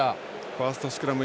ファーストスクラム